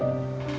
terima kasih pak